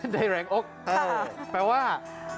ได้แรงอกแปลว่า